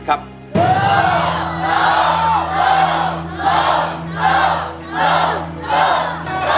โอ้โอ้โอ้